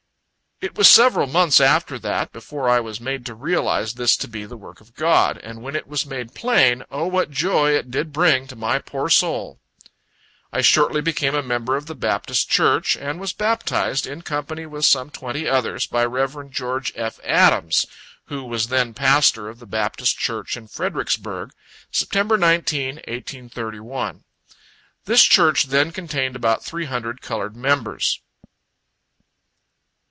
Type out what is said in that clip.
... It was several months after that, before I was made to realize this to be the work of God; and when it was made plain, O what joy it did bring to my poor soul! I shortly became a member of the Baptist church, and was baptized, in company with some twenty others, by Rev. Geo. F. Adams, who was then pastor of the Baptist church in Fredericksburg September 19, 1831. This church then contained about three hundred colored members.